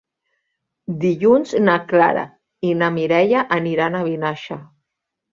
Dilluns na Clara i na Mireia aniran a Vinaixa.